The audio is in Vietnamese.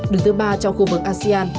đứng thứ ba trong khu vực asean